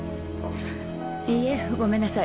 いいえごめんなさい。